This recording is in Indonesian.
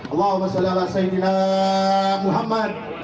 allahumma sullailah sayyidina muhammad